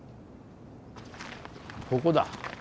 ここだ。